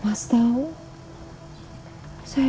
agar boy tidak kehilangan sosok seorang ibu